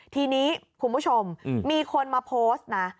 ทีนี้คุณผู้ชมมีคนมาโพสต์นะ